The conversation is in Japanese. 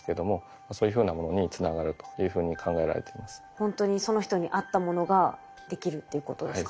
ほんとにその人に合ったものができるってことですかね。